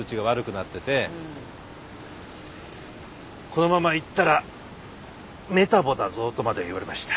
このままいったらメタボだぞとまで言われました。